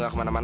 aku tak mau